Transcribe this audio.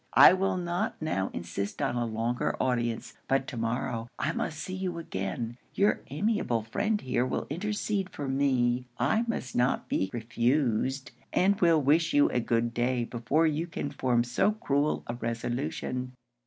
I will not now insist on a longer audience; but to morrow I must see you again. Your amiable friend here will intercede for me. I must not be refused; and will wish you a good day before you can form so cruel a resolution.'